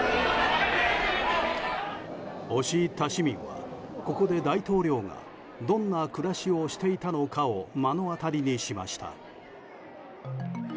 押し入った市民はここで大統領がどんな暮らしをしていたのかを目の当たりにしました。